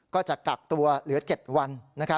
ก็จะกักตัวเหลือ๗วัน